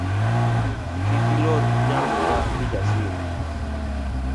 Kiki lor nyaminwa Kijasiri.